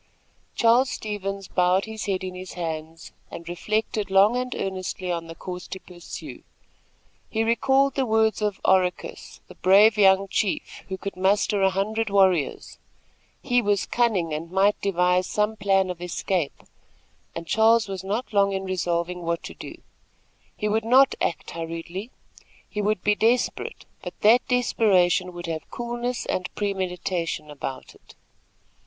Charles Stevens bowed his head in his hands and reflected long and earnestly on the course to pursue. He recalled the words of Oracus, the brave young chief, who could muster a hundred warriors. He was cunning and might devise some plan of escape, and Charles was not long in resolving what to do. He would not act hurriedly. He would be desperate; but that desperation would have coolness and premeditation about it.